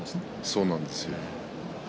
そうなんですよね。